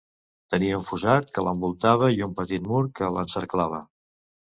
Tenia un fossat que l'envoltava i un petit mur que l'encerclava.